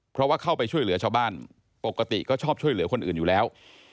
เพราะว่าเข้าไปช่วยเหลือชาวบ้านปกติก็ชอบช่วยเหลือคนอื่นอยู่แล้ว